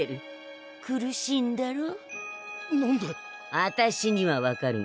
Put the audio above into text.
あたしには分かるのさ。